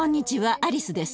アリスです。